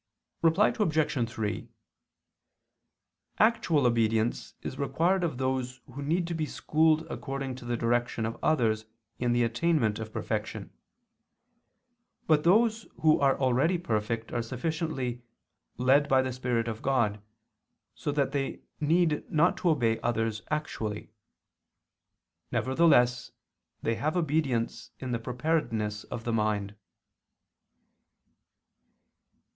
Reply Obj. 3: Actual obedience is required of those who need to be schooled according to the direction of others in the attainment of perfection; but those who are already perfect are sufficiently "led by the spirit of God" so that they need not to obey others actually. Nevertheless they have obedience in the preparedness of the mind.